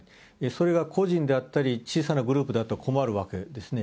それが個人であったり、小さなグループだと困るわけですね。